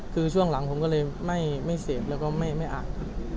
คือช่วงหลังผมก็เลยไม่เสพแล้วก็ไม่อาบ